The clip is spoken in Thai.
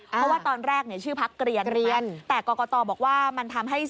เพราะว่าตอนแรกชื่อพักเกรียนแต่กอกกะตอบอกว่า